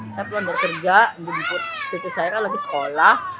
saya pelan pelan bekerja dan cucu saya lagi sekolah